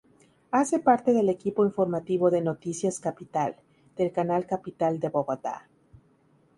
Hace parte del equipo informativo de "Noticias Capital" del Canal Capital de Bogotá.